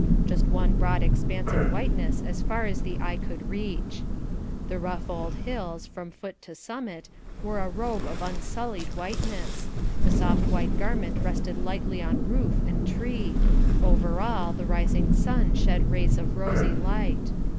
Just one broad expanse of whiteness as far as the eye could reach. The rough old hills, from foot to summit, wore a robe of unsullied whiteness the soft white garment rested lightly on roof and tree, over all the rising sun shed rays of rosy light.